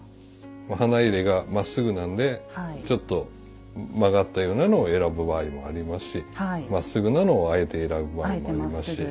花入がまっすぐなんでちょっと曲がったようなのを選ぶ場合もありますしまっすぐなのをあえて選ぶ場合もありますし。